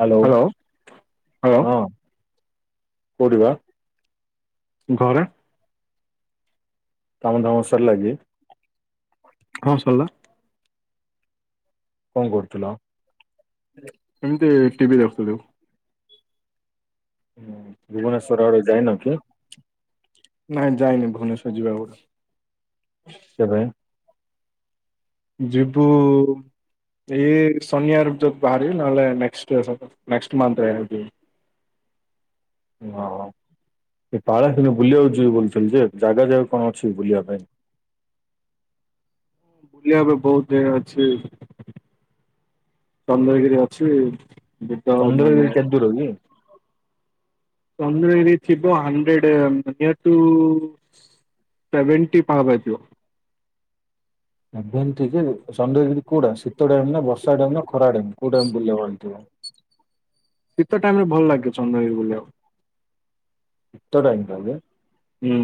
Hello hello ହଁ କୋଉଠି ବା ଘରେ କାମ ଧାମ ସରିଲା ଯେ ହଁ ସରିଲା। କଣ କରୁଥିଲ? ଏମିତି ଟିଭି ଦେଖୁଥିଲୁ। ହୁଁ ଭୁବନେଶ୍ୱର ଆଡେ ଯାଇନ କି? ନାଇଁ ଯାଇନି ଭୁବନେଶ୍ବର ଯିବା। [inaudible] କେବେ? ଜିବୁ। ଏଇ ଶନିବାର ଯଦି ବାହାରିବି ନହେଲେ ନେକ୍ସଟ ନେକ୍ସଟ ମନ୍ଥରେ ଯିବି। ହଁ ଏ [unintelligible] ବୁଲିବାକୁ ଯ ବୋଲୁଥିଲି ଯେ ଜାଗା ଯାଗା କଣ ଅଛି ବୁଲିବା ପାଇଁ? ବୁଲିବାକୁ ବହୁତ ଜାଗା ଅଛି। ଚନ୍ଦ୍ରଗିରି ଅଛି ଇଏ ତ ମାନେ [inaudible] ତନ୍ଦୁରୀ ଏଇ ଥିବ ହଣ୍ଡ୍ରେଡ ନିୟର୍ ଟୁ ସେଭେଣ୍ଟି ପାହବେ ଥିବ। ଏମତି କି ଚନ୍ଦ୍ରଗିରି କୋଉଟା ଶୀତ ଟାଇମ ନା ବର୍ଷା ଟାଇମ ନା ଖରା ଟାଇମ କୋଉଟାଇମ ବୁଲିବା ପାଇଁ ହେଇଥିବ? ଶୀତ ଟାଇମରେ ଭଲ ଲାଗେ ଚନ୍ଦ୍ର ଗିରି ବୁଲିବାକୁ? ଶୀତ ଟାଇମ। ହୁଁ।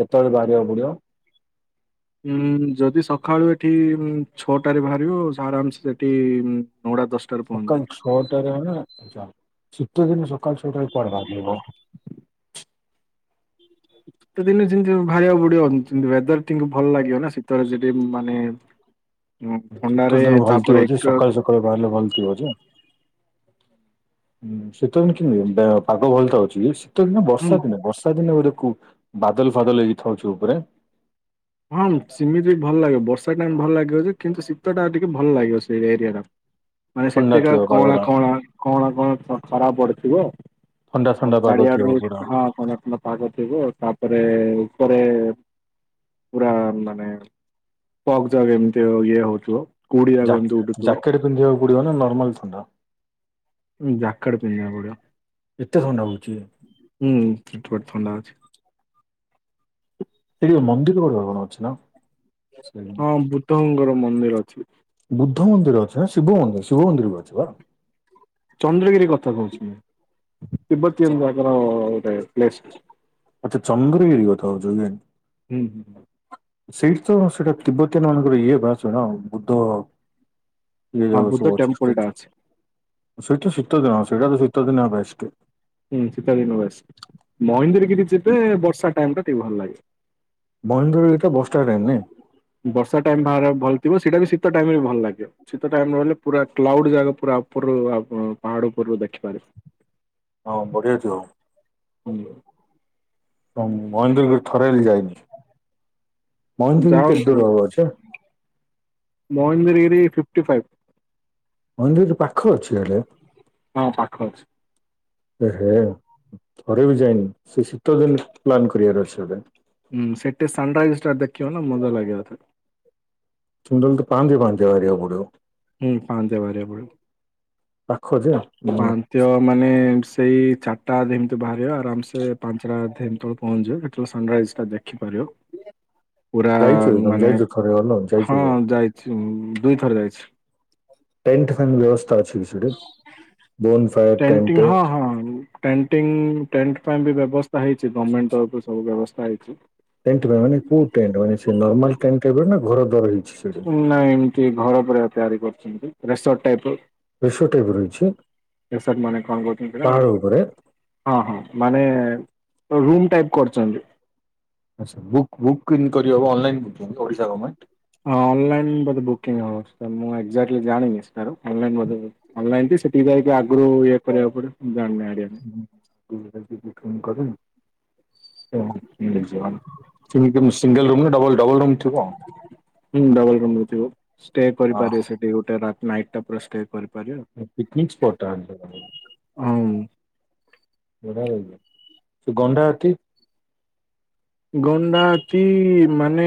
କେତେବେଳେ ବାହାରିବାକୁ ପଡ଼ିବ? ଉଁ ଯଦି ସକାଳୁ ଏଠି ଛଅଟାରେ ବାହାରିବ ଆରାମସ ସେଠି ନଅଟା ଦଶଟା ସକାଳ ଛଅଟାରେ ଶୀତ ଦିନ ସକାଳ ଛଅଟାରେ କୁଆଡେ ବାହାରିବ? ଶୀତ ଦିନ ଯେମିତି ବାହାରିବାକୁ ପଡିବ ୱେଦର ଭଲ ଲାଗିବ ନା ଶୀତରେ ସେଠି ମାନେ ହଁ ଶୀତ ଥଣ୍ଡାରେ ଦିନ ଭଲ ଥିବ ତାପରେ ଯେ ଏକା [inaudible] ହଁ ଶୀତ ଦିନେ କେମିତି ପାଗ ଭଲଟା ଅଛି କି? ଶୀତ ହୁଁ ବର୍ଷା ଦିନେ ବର୍ଷା ଦିନେ ଗୋଟେ ବାଦଲ ଫାଦଲ ହେଇକିଥିବ ଉପରେ ହଁ ସେିମିତି ବି ଭଲ ଲାଗିବ ବର୍ଷା ଟାଇମ ଭଲ ଲାଗିବ ଯେ କିନ୍ତୁ ଶୀତଟା ଟିକେ ଭଲ ଲାଗିବ ସେ ଏରିଆର ହଁ। ମାନେ ସେତିକା କଣ କଣ କଣ କଣ ଖରାପ ପଡିଥିବ? ଥଣ୍ଡା ଆଉ ଥଣ୍ଡା ପାଗ ଥିବ ଚାରିଆଡରୁ ପୁରା ହଁ ଥଣ୍ଡା ଥଣ୍ଡା ପାଗ ଥିବ ତାପରେ ଉପରେ ପୁରା ମାନେ ପକ୍ ଯକ ଏମିତି ଇଏ ହଉଥିବ କୁଡିଆ ଜା ଯକ ଏମିତି ଉଠୁଥିବ। [inaudible] ହଁ ଜ୍ୟାକେଟ ପିନ୍ଧିବାକୁ ପଡିବ। ଏତେ ଥଣ୍ଡା ହଉଛି। ହୁଁ ସେପଟେ ଥଣ୍ଡା ଅଛି। ସେଠି ମନ୍ଦିର କଣ ଗୋଟେ ଅଛି ନା? ସେ ହଁ ବୁଦ୍ଧଙ୍କର ମନ୍ଦିର ଅଛି। ବୁଦ୍ଧ ମନ୍ଦିର ଅଛି ନା ଶିବ ମନ୍ଦିର ଶିବ ମନ୍ଦିର ବି ଅଛି ପା। ଚନ୍ଦ୍ରଗିରି କଥା କହୁଛନ୍ତି ତିବବତୀ ଯାକର ଗୋଟେ ପ୍ଲେସ୍ ଅଛି। ଆଚ୍ଛା ଚନ୍ଦ୍ରଗିରି କଥା ହଉଛନ୍ତି। ହୁଁ ହୁଁ। ସେଇଠି ତ ସେଇଟା ତତିିବ୍ବତାନ ମାନଙ୍କର ଇଏ ବା ସେ ବୁଦ୍ଧ ଇଏ ହଁ ଯାଉ ବୁଦ୍ଧ ସବୁ ଅଛ ଟେମ୍ପଲ ଟା ଅଛି ଅ ସେଇଟା ଶୀତ ଦିନ ସେଟା ତ ଶୀତ ଦିନ ବେଷ୍ଟ। ହୁଁ ସୀତ ଦିନେ ବେଶ। ମହନ୍ଦ୍ର ଗିରି ଯେବେ ବର୍ଷା ଟାଇମ୍ ଟା ଟିକେ ଭଲ ଲାଗେ। ମହନ୍ଦ୍ରଗିରି ଟା ବସ୍ ଷ୍ଟାଣ୍ଡ ରେ ନାହିଁ ବର୍ଷା ଟାଇମ ପାଗ ଟା ଭଲ ଥିବ ସେଇଟା ବି ଶୀତ ଟାଇମରେ ବି ଭଲ ଲାଗିବ। ଶୀତ ଟାଇମ ରହିଲେ ପୁରା କ୍ଲାଉଡ ଜାଗା ପୁରା ଉପରରୁ ପାହାଡ ଉପରରୁ ଦେଖିପାରିବେ। ହଁ ବଢ଼ି ଅଛୁ ଆଉ। [unintelligible] ହ ମହେନ୍ଦ୍ରଗିରି ଥରେହେଲେ ଯାଇନି ମହେନ୍ଦ୍ରଙ୍କୁ କେତେ ଯାଆନ୍ତୁ ଦୂର ହବ ଅଛ? Mahendra Giri fifty five. ମହେନ୍ଦ୍ର ଗିରି ପାଖ ଅଛି [unintelligible] ହଁ ପାଖ ଅଛି। ଏହେ। ଥରେ ବି ଯାଇନି ସେ ଶୀତ ଦିନ ପ୍ଲାନ୍ କରିବାର ଅଛି। ହୁଁ ସେଠି ସନ୍ ରାଇଜଷ୍ଟା ଦେଖିବ ନା ମଜା ଲାଗିବ। ଚୁମଣ୍ଡଲ ତ ପାେ ପାେ ଆିଆ ବୁଡ଼ିବ [unintelligible] ହୁଁ ପାହ୍ୱନ୍ତିଆ ବାହାରିବାକୁ ପଡିବ। ପାଖଯେ ଆଉ। ପାଞ୍ଚ ମାନେ ସେଇ ଚାରିଟା ଯେମିତି ବାହାରିବ ଆରାମସ ପାଞ୍ଚଟା ପହଞ୍ଚିବ ସେତେବେଳେ ସନରାଇଜ୍ ଟା ଦେଖିପାରିବ। ପୁରା ଯାଇଛୁ ତମ ମାନେ ଯାଇଛୁ ଥରେ ହେଲେ ହଁ ଯାଇଛୁ। ଯାଇଛି ଦୁଇଥର ଯାଇଛି। ଟେଣ୍ଟ ଫନ୍ ବ୍ୟବସ୍ଥା ଅଛି କି ସେଠ bonfire tent tenting tent ପାଇଁ ବି ବ୍ୟବସ୍ଥା ହେଇଛି ଗଭର୍ଣ୍ଣମେଣ୍ଟ ତରଫରୁ ସବୁ ବ୍ୟବସ୍ଥା ହେଇଛି। ଟେଣ୍ଟ ପାଇଁ ମାନେ କୋଉ ଟଣ୍ ମାନେ ସେ ନର୍ମାଲ ଟେଣ୍ଟ ଏବେ ନା ଘର ଦ୍ୱାର ହେଇଛି ସେ ନା ଏମିତି ଘର ପରିକା ତିଆରି କରୁଛନ୍ତି ରେସର୍ଟ ଟାଇପ ରିସୋର୍ଟ ଟାଇପ ର ହେଇଛି ଏସଟ ମାନେ କଣ କହୁଛନ୍ତି ନା ପାହାଡ ଉପରେ ହଁ ହଁ ମାନେ ରୁମ ଟାଇପ କରୁଛନ୍ତି। ଆଚ୍ଛା ବକ୍ ବୁ କିଙ୍ଗ କରି ହବ ଅନାଲାଇନ ବୁକିଂ ଓଡିଶା ଗଭର୍ଣମେଣ୍ଟ। ହଁନ୍ଲାଇନ ବଧେ ବୁକିଙ୍ଗ ହଉ ମୁଁ ଏକ୍ଜାକ୍ଟଲି ଜଣିନି ସାଇନ ବ ଅନଲାଇନ ସେଠିକି ଯାଇକି ଆଗରୁ ଇଏ କରିବାକୁ ପଡିବ। ଜାଣିନି ଆଡ [unintelligible] [unintelligible] ଛିିବି ସିଙ୍ଗଲ ରୁମ୍ ନା ଡବଲ ଡବଲ ରୁମ୍ ଥିବ ହଁ ଡବଲ ରୁମୁ ଥିବ ଷ୍ଟେ ହଁ କରିପାରିବେ ସେଠି ଗୋଟେ ନାଇଟ। [unintelligible] ସଷ୍ଟେ କରିପାରିବ ପିକନିକ ସ୍ପାଟା ହଁ ସେ ଗଣ୍ଡା କି ଗଣ୍ଡାଟି ମାନେ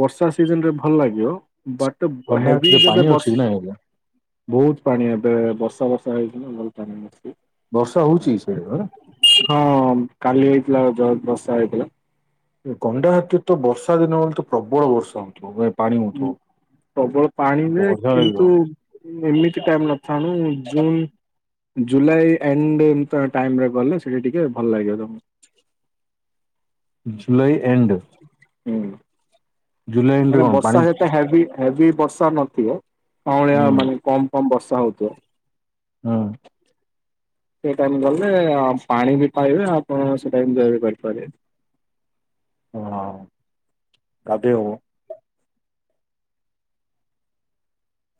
ବର୍ଷା ସିଜନରେ ଭଲ ଲାଗିବ। ବଟ୍ ତ ଗଣ୍ଡା ହେଭି ହାତୀରେ ପାଣି ଯେବେ ଅଛି ବଷ କି ନାଇଁ ଏବେ ବହୁତ ପାଣି ଏବେ ବର୍ଷା ବର୍ଷା ହେଇଛି ନା ଭଲ ପାଣି ବସଛି। ବର୍ଷା ହଉଚ ସେ ହଁ କାଲି ହେଇଥିଲା ଜ ବର୍ଷା ହେଇଥିଲା ଗଣ୍ଡା ହାତୀ ତ ବର୍ଷା ଦିନ ବେଳେ ତ ପ୍ରବଳ ବର୍ଷା ହଉଥିବ ପାଣି ହଉଥିବ। ପ୍ରବଳ ପାଣିରେ ବଢିଆ ଲାଗିବ କିନ୍ତୁ ଏମିତି ଟାଇମ ନଥଣୁ ଜୁନ୍ ଜୁଲାଇ ଏଣ୍ଡ ଟାଇମରେ ଗଲେ ସେଇଠି ଟିକେ ଭଲ ଲାଗିବ ତମକୁ ଜୁଲାଇ ଏଣ୍ଡ ହୁଁ ଜୁଲାଇ ଏଣ୍ଡରେ ମାନେ କଣ ପାଣି ବର୍ଷା ହୁଁ ସେତ ହେଭି ହେଭି ବର୍ଷା ନଥିବ କଳିଆ ହୁଁ ମାନେ କମ କମ ବର୍ଷା ହଉଥିବ ହଁ। ସେ ଟାଇ ଗଲେ ଆ ପାଣି ବି ପାଇବେ ଆପଣ ସେ ଟାଇ କରିପାରିବେ ହ କାବେ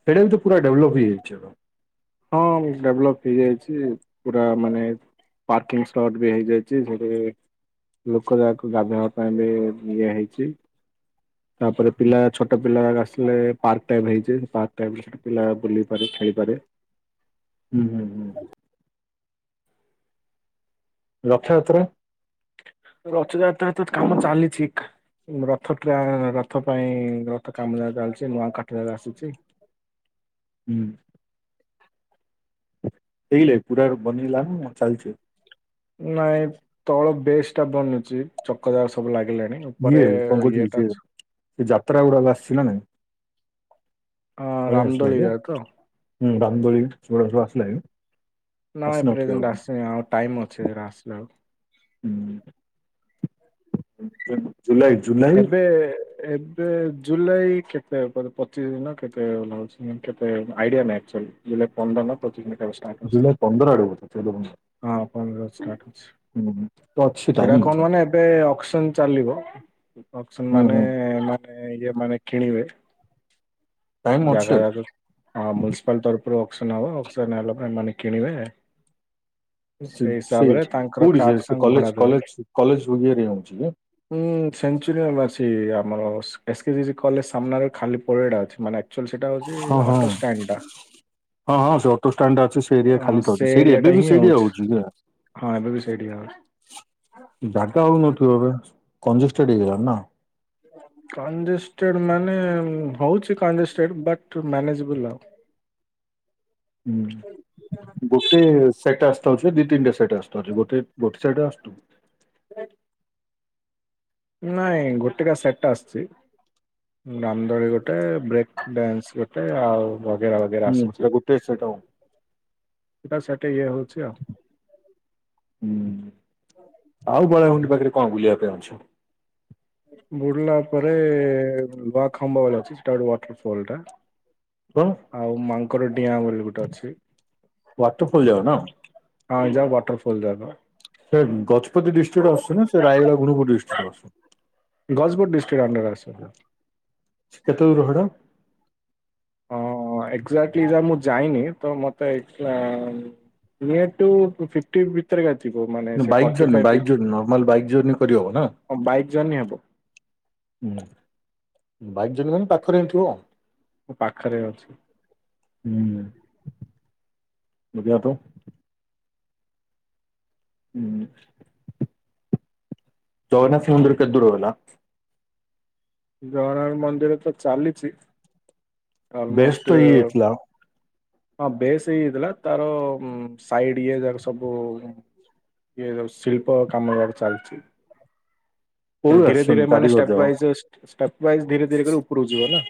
ସେଇଟା ବ ତ ପୁରା ଡେଭଲପ ହେଇଯାଇଛି ହଁ ଡେଭଲପ ହେଇଯାଇଛି ପୁରା ମାନେ ପାର୍କିଂ ସ୍ଲଟ ବି ହେଇଯାଇଛି ସେଠ ଲୋକ ଯାହାକୁ ଗାଧେଇବା ପାଇଁ ବି ଇଏ ହେଇଛି ତାପରେ ପିଲା ଛୋଟ ପିଲା ଯା ଆସ ପାର୍କ ଟାଇମ ହେଇଛି ପାର୍କ ଟାଇମ ରେ ସେଠି ପିଲା ବୁଲ ପାରେ ଖେଳିପାରେ ହୁଁ ହୁଁ ହୁଁ। ଲକ୍ଷ ଭିତରେ ରଥଯାତ୍ରା ତ କାମ ଚାଲିଛି ରଥ ଟା ରଥ ପାଇଁ ରଥ କାମୁ ରେ ଚାଲିଛି ନୂଆ କାଠିିବାକୁ ଆସିଛି। ହୁଁ ସେଇ ଲ ପୁରା ବନ ଲୁ ମୁଁ ଚାଲଛୁ ନାଇଁ ତଳ ବେଶ ଟା ବନୁଛି ଚକଜାର ସବୁ ଲାଗିଲାଣି। ନ ଇଏ ଉପରେ କଣ କହୁଥିଲି ସେ ଇଏଟା ସେ ଯାତ୍ରା ଗୁଡାକ ଆସିଥିଲା ନାଇଁ ହଁ କଣିଲା ରାମଦୋଳି କ ଯାକ ତ ହଁ ବଦୁଳି ଏ ଆସଲା ନାଇଁ ପ୍ରେଜେଣ୍ଟ ଆସିନି ଆଉ ଟାଇମ୍ ଅଛି ସେଟା ଆସିଲେ ଆଉ [inaudible] ଜୁଲାଇ ଜୁଲା ଏବେ ଏବେ ଜୁଲାଇ କେତେ ପଚିଶ ଦିନ କେତେ ଭଛି କେତେ ଆଇଡିଆ ନାଇଁ ଆକ୍ଚୁଆଲି। ଜୁଲାଇ ପନ୍ଦର ନା ପଚିଶ ଦିନ କାଳ ଷ୍ଟର୍ଟ ହଉଛି ଜୁଲାଇ ପନ୍ଦର ଆଡ଼ୁ ବୋଧେ ଚଉଦ ପନ୍ଦର ହଁ ପନ୍ଦ୍ରରୁ ଷ୍ଟାର୍ଟ ଅଛି ହୁଁ ତ ଅଛି ଟାଇମ୍ ଏ ଅକସନ୍ ଚାଲିବ ଅକସନ୍ ହୁଁ ମାନେ। ହୁଁ ମାନେ ଇଏ ମାନେ କିଣିବେ ଟାଇମ ଅଛି ଜାଗା ଯାକ ହଁ ମୁନିସିପାଲ ତରଫରୁ ଅକସନ୍ ହବ ଅକସନ୍ ହେଲା ପରେ ଏମାନେ କିଣିବେ। ସେଇ ସେ ହିସାବରେ ତାଙ୍କର କୋଠି ସେ କାହାକୁ ସେ ତାଙ୍କୁ କଲେ ଭଡା କଲେଜ ଦେବେ କଲେଜ କଲେଜ ରୁ ଇଏରେ ହିଁ ହଉଛି ହୁଁ ସେଞ୍ଚୁରିଅର ମାସି ଆମର ଏସ୍ କେଜି କଲେଜ ସାମ୍ନାରେ ଖାଲି ପଡ଼ିଆ ଟା ଅଛି ମାନେ। ଆଚୁଆଲି ସେଟା ହଉଛି ହଁ ହଁ ଅଟୋଷ୍ଟାଣ୍ଡ ଟା ହଁ ହଁ ସେ ଅଟୋଷ୍ଟାଣ୍ଡ ଟା ଅଛି ସେ ଏରିଆ ଅଁ, ଖାଲି ସେ ଥାଉଛି ସେଇଠି ଏରିଆଟା ଏବେ ବି ହିଁ ସେଇଠିଆ ହଉଛି କା ହଁ ଏବେ ବି ସେଇଠି ଆ ଜାଗା ହଉନଥିବ ଏବେ କଂଜୁସୁ ଟିକେ ନା। କଂଜେଷ୍ଟେଡ୍ ମାନେ ହଉଛି କଂଜେଷ୍ଟେଡ୍ ବଟ୍ ମ୍ୟାନେଜବୁଲ୍ ଆଉ। ହୁଁ ଗୋଟେ ସେଟ୍ ଆସି ଥାଉଛି ଦି ତିନିଟା ସେଟା ଆସଥାଉଛି ଗଟେ ଗୋଟେ ସେଟ ଅସ୍ତୁ। [unintelligible] ନାଇଁ ଗୋଟେକା ସେଟ୍ ଆସଚି ରାମ ଦୋଳି ଗୋଟେ ବ୍ରେକ୍ ଡ୍ୟାନ୍ସ ଗୋଟେ ଆଉ ବଗେରା ବଗେରା ଆସୁଛି। ଟେ ସେ ଟଉ। ସେଇଟା ସେଠି ଇଏ ହଉଛି ଆଉ। ହୁଁ ଆଉ ବଳାଗୁଣ୍ଡି ପାଖରେ କଣ ବୁଲିବା ପାଇଁ ଅଛି। ବୁଲିଲା ପରେ ବା ଖମ୍ବା ବଲି ଅଛି ସେଟା ଗୋଟେ ୱାଟର ଫଲ୍ ଟା। [unintelligible] ଆଉ ମାଙ୍କଡ଼ ଡିଆଁ ବୋଲି ଗୋଟେ ଅଛି। ୱାଟରଫଲ ଯାଅ ନା ହଁ ଯାଅ ୱାଟରଫଲ୍ ଯାଉନ। ସେ ଗଜପତି ଡିଷ୍ଟିକ୍ଟରେ ଆସୁ ନା ସେ ରାୟଗଡ଼ା ଗୁପୁର ଡିଷ୍ଟ୍ରିକ୍ଟରେ ଆସୁ। ଗଜପୁର ଡିଷ୍ଟ୍ରିକ୍ଟ ଅଣ୍ଡର ଆସିବ। ସେ କେତେ ଦୂର ହେଡ଼ା? ହଁ ଏଜାକ୍ଟଲି ଯା ମୁଁ ଯାଇନି ତ ମତେ ଏକଷ୍ଟ୍ରା କ୍ଲିଅର ଟୁ ପୁଫିଟ୍ ଫିଟ ଭିତରେ ଏକା ଥିବା ମାନେ ସେ ବାଇକ୍ ଫୋର୍ଟି ଜର୍ନି ଫାଇ bike fit. Journey normal bike journey କରିହବ ନା ହଁ ବାଇକ୍ ଜର୍ନି ହବ। ହୁଁ ବାଇକ୍ ଜନି ମାନେ ପାଖରେ ହିଁ ଥିବ ଆଉ। ମୋ ପାଖରେ ଅଛି। ହୁଁ ବୁଝିବା ତ। ହୁଁ। ଜଗନ୍ନାଥ ମନ୍ଦିର କେତେଦୁରୁ ବା? ଜଗନ୍ନାଥ ମନ୍ଦିର ତ ଚାଲିଛି ବେଶ ତ ଅଲମୋଷ୍ଟ ଇଏ ହେଇଥିଲା ହଁ ବେସ୍ ହେଇଯାଇଥିଲା ତାର ସାଇଡ ଇଏ ଯାକ ସବୁ ଇଏ ଯ ଶିଳ୍ପ କାମ ଜାକ ଚାଲିଛି। କୋଉଠୁ ଧୀରେ ଧୀରେ ଆସିଛନ୍ତି ମାନେ କାରିଗର ଷ୍ଟେପ୍ ଯାକ ବାଇଜ୍ ଷ୍ଟେପ୍ ବାଇଜ୍ ଧୀରେ ଧୀରେ ଉପରୁକୁ ଯିବ ନା।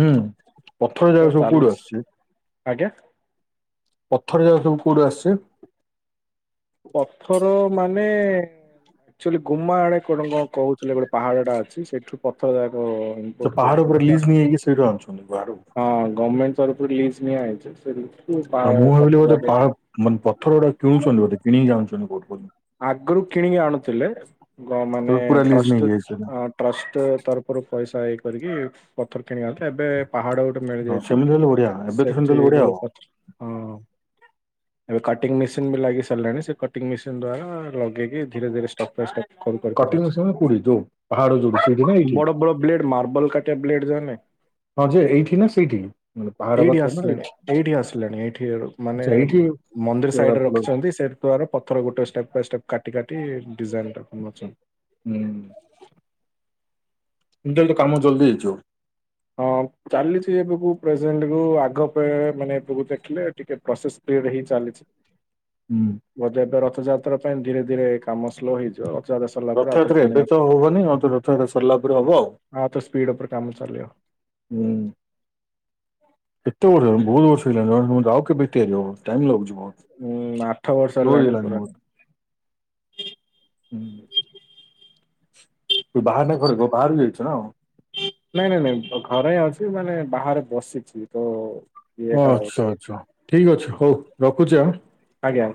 ହୁଁ ପଥର ତ ଜାକ ସବୁ କୋଉଠୁ ଚାଲିଛି ଆସୁଛି? ଆଜ୍ଞା। ପଥର ଯାକ ସବୁ କୋଉଠୁ ଆସିଛି? ପଥର ମାନେ ଆଚୁଆଲି ଗୁମା ଆଡ଼େ କଣ କଣ କହୁ ଗୋଟେ ପାହାଡ଼ଟା ଅଛି ସେଠୁ ପଥର ଯାକ ଇମ୍ପୋର୍ଟ ପାହାଡ଼ କରୁଛନ୍ତି ଉପରେ ତା- ଲିଜ୍ ନେଇଯଇକି ସେଠି ଆଣିୁଛନ୍ତି ବାହାରକୁ ହଁ ଗଭର୍ଣ୍ଣମେଣ୍ଟ ତରଫରୁ ଲିଜ୍ ନିଆଯଇଛି ସେ ଆଉ ମୁଁ ଭାବିଲି ବୋଧେ ଲିଜୁ ପାହା ମାନେ ପଥର ଗୁଡା କିଣୁଛନ୍ତି ବୋତେ କିଣିକି ଯାଉଛନ୍ତି କଉଠୁ କହୁ। ଆଗରୁ କିଣିକି ଆଣୁଥିଲେ ମାନେ ତେବେ ପୁରା ଲିଜ୍ ଟ୍ରଷ୍ଟ ନେଇକି ଯାଇଛନ୍ତି ଟ୍ରଷ୍ଟ ତରଫରୁ ପଇସା ଏଇ କରିକି ପଥର କିଣ ଆନ୍ତି ଏବେ ପାହାଡ ଗୋ ମିଳି ହଁ ଯାଇଛୁ ସେମିତି ହେଲେ ବଢିଆ ଏବେ ତ ସେମିତି ହେଲେ ବଢିଆ ସେଠିରୁୁ ହବ। ହଁ। ଏବେ କଟିଂ ମେସିନ ବି ଲାଗି ସାରିଲାଣି ସେ କଟିଂ ମେସିନ ଦ୍ଵାରା ଲଗେଇକ ଧୀରେରେଷ୍ଟେପ୍ ବାଇ ଷ୍ଟେପ୍ କଣ କରିଥିଲ କଟିଙ୍ଗ ସେମାନେ କୋଉଠି ଯୋଉ ପାହାଡ ଯୋଉଠି ସେଇଠି ନା ଏଇଠି ବଡ ବଡ ବ୍ଲେଡ ମାର୍ବଲ କାଟି ଟେବଲେଟ ଜେ ହଁ ଯେ ଏଇଠି ନା ସେଇଠି? ମାନେ ପାହାଡ ଏଇଠି ପାଖରେ ନା ଆସିଲାଣି ଏଇଠି ଆସିଲାଣି ଏଇଠି ମାନେ ଆଚ୍ଛା ଏଇଠି ମନ୍ଦିର ସେଗୁଡା ସାଇଡ ରେ ସବୁ ହୁଁ ରଖିଛନ୍ତି ସେଇ ଦ୍ଵାରା ପଥର ଗୋଟେ ଷ୍ଟେପ ବାଇ ଷ୍ଟେପ କାଟି କାଟି ଡିଜାଇନଛନ୍ତି ହୁ [unintelligible] ତ କାମ ଜଲଦି ହେଇଯିବ ହଁ [inaudible] ଚାଲିଛି ଏବେକୁ ପ୍ରେଜେଣ୍ଟୁ ଆଗ ପେ ମାନେ ଏବେକୁ ଦେଖିଲେ ଟିକେ ପ୍ରୋସେସ ପିରିୟଡ଼ ହେଇ ଚାଲିଛି ହୁଁ ବୋଧେ ଏବେ ରଥଯାତ୍ରା ପାଇଁ ଧୀରେ ଧୀରେ କାମ ସ୍ଲୋ ହେଇଯିବ ରଥଯାତ୍ରା ସରିଲା ପରେ ଆଉଥରେ ରଥଯାତ୍ରା ପୁଣି ଏବେ ଆଉ ତ ହବନି ହ ରଥଯାତ୍ରା ସରିଲା ପରେ ହବ ଆଉ ହଁ ତ ସ୍ପୀଡ ଉପରେ କାମ ଚାଲବ ହୁଁ ଏତୋ ଗୁଡ ବହୁତ ବର୍ଷ ହେଇଗଲାନି [unintelligible] ଆଉ କେବେ ଟିଆରି ହବ ଟାଇମ୍ ଲାଗୁଛି ବହୁତ ଉୁଁ ଆଠ ବର୍ଷ ବହୁତ ହେଲାଣି ବହୁତ ପୁରାଣ ହୁଁ ତୁ ବାହାର ନା ଘରେ ବ ବାହାରାରୁ ବି ଯାଇଛ ନା ଆଉ ନାଇଁ ନାଇଁ ନାଇଁ ଘ -ଘରେ ହିଁ ଅଛି ମାନେ ବାହାରେ ବସିଛି ତ ଇଏଟା ହଉଛି। ଆଚ୍ଛା ଆଚ୍ଛା ଠିକ ଅଛି ହଉ ରଖୁଛି ଆ ଆଜ୍ଞା